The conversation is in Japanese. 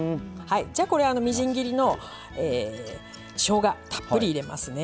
じゃこれみじん切りのしょうがたっぷり入れますね。